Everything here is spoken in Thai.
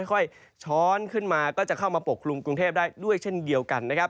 ค่อยช้อนขึ้นมาก็จะเข้ามาปกคลุมกรุงเทพได้ด้วยเช่นเดียวกันนะครับ